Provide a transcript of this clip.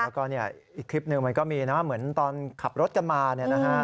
แล้วก็เนี่ยอีกคลิปหนึ่งมันก็มีนะเหมือนตอนขับรถกันมาเนี่ยนะฮะ